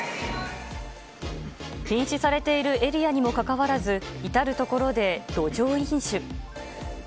禁止されているエリアにもかかわらず、至る所で路上飲酒。